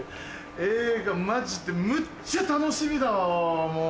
映画マジでむっちゃ楽しみだわもう！